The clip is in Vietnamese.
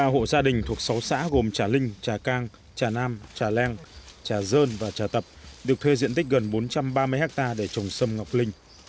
bốn trăm năm mươi ba hộ gia đình thuộc sáu xã gồm trà linh trà cang trà nam trà leng trà dơn và trà tập được thuê diện tích gần bốn trăm ba mươi hectare để trồng xâm ngọc linh